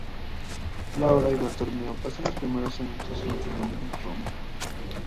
Laura y Bartolomeo pasaron los primeros años de su matrimonio en Roma.